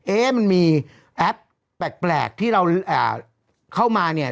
เอ๊ะมันมีแอปแปลกที่เราเข้ามาเนี่ย